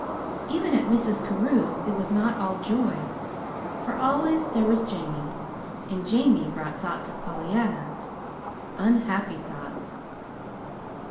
Even at Mrs. Carew's it was not all joy, for always there was Jamie; and Jamie brought thoughts of Pollyanna unhappy thoughts.